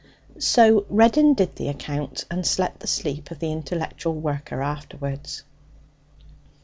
So Reddin did the accounts and slept the sleep of the intellectual worker afterwards.